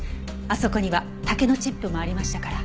あそこには竹のチップもありましたから。